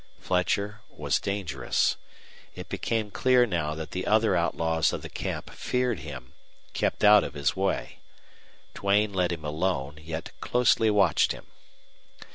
Fletcher was dangerous. It became clear now that the other outlaws of the camp feared him, kept out of his way. Duane let him alone, yet closely watched him.